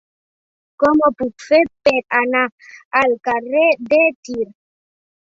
Com ho puc fer per anar al carrer de Tir?